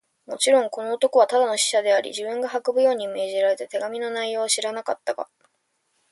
もちろん、この男はただの使者であり、自分が運ぶように命じられた手紙の内容を知らなかったが、